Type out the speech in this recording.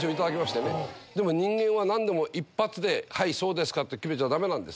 でも人間は何でも一発で「そうですか」と決めちゃダメ。